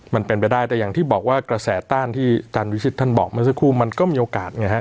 มันเป็นไปได้แต่อย่างที่บอกว่ากระแสต้านที่อาจารย์วิชิตท่านบอกเมื่อสักครู่มันก็มีโอกาสไงฮะ